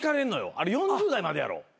あれ４０代までやろ？